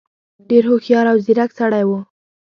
ډېر هوښیار او ځيرک سړی وو.